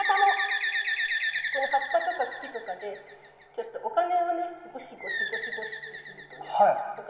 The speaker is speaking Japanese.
この葉っぱとか茎とかでお金をねゴシゴシゴシゴシってするとねお金